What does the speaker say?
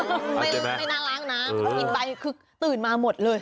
เออใช่ไหมไม่น่ารักนะมีใบคือตื่นมาหมดเลย